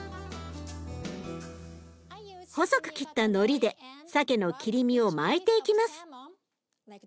細く切ったのりでさけの切り身を巻いていきます。